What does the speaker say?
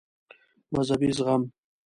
مذهبي زغم